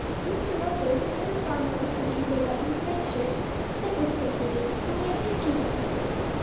'Mr. Roper, does every farmer in the country go about in his night shirt? Douglas says they do, and we have pictures of them.'